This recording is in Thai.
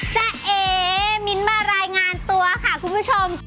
จะเอมิ้นมารายงานตัวค่ะคุณผู้ชม